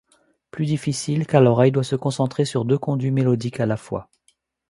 Plus difficile, car l'oreille doit se concentrer sur deux conduits mélodiques à la fois.